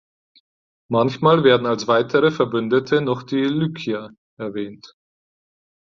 Manchmal werden als weitere Verbündete noch die Lykier erwähnt.